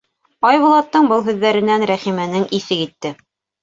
Айбулаттың был һүҙҙәренән Рәхимәнең иҫе китте.